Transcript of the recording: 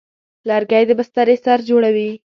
لرګی د بسترې سر جوړوي.